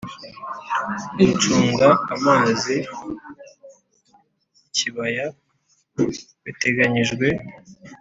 Gucunga amazi y ikibaya biteganyijwe